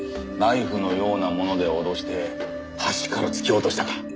ナイフのようなもので脅して橋から突き落としたか。